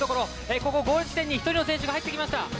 ここ、ゴール地点に１人の選手が入ってきました。